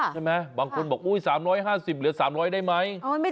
บางคนบอก๓๕๐เหลือ๓๐๐ได้ไหม